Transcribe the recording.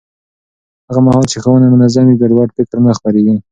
هغه مهال چې ښوونه منظم وي، ګډوډ فکر نه خپرېږي.